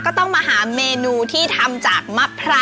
ก็ต้องมาหาเมนูที่ทำจากลูกมะพร้าวเลยนะครับ